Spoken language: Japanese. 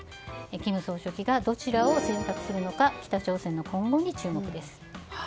金総書記がどちらを選択するのか北朝鮮の今後に注目です。